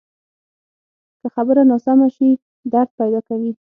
که خبره ناسمه شي، درد پیدا کوي